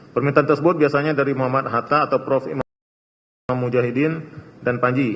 permintaan tersebut biasanya dari muhammad hatta atau prof imam mujahidin dan panji